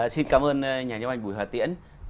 xin cảm ơn nhà giám ảnh bùi hòa tiễn